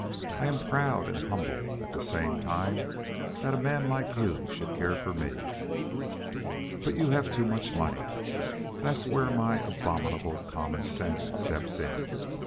I am proud and humble at the same time that a man like you should care for me. But you have too much money. There's where my abominable common sense steps in.